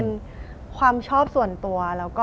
เป็นความชอบส่วนตัว